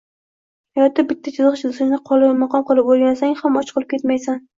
hayotda bitta chiziq chizishni qoyilmaqom qilib o‘rgansang ham och qolib ketmaysa